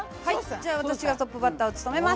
じゃあ私がトップバッターを務めます。